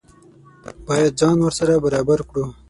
باید ځان ورسره برابر کړو.